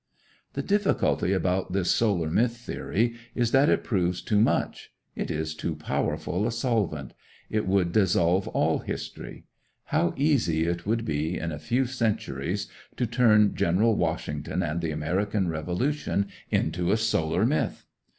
The difficulty about this solar myth theory is that it proves too much; it is too powerful a solvent; it would dissolve all history. How easy it would be, in a few centuries, to turn General Washington and the American Revolution into a solar myth!